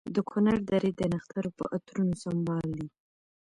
د کنر درې د نښترو په عطرونو سمبال دي.